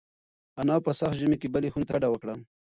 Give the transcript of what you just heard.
انا په سخت ژمي کې بلې خونې ته کډه وکړه.